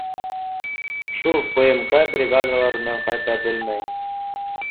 Шул ПМК бригадаларынан ҡайта бел мәй